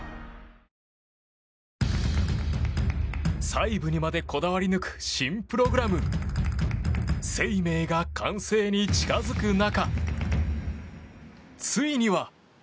細部にまでこだわり抜く新プログラム「ＳＥＩＭＥＩ」が完成に近づく中、ついには。